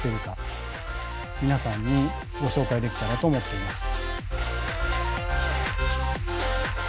皆さんにご紹介できたらと思っています。